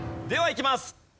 ではいきます。